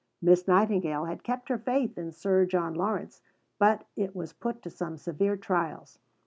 Miss Nightingale had kept her faith in Sir John Lawrence, but it was put to some severe trials.